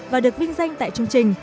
và được vinh danh tại chương trình